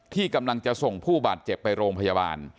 ที่กำลังจะส่งผู้บาดเจ็บไปโรงพยาบาล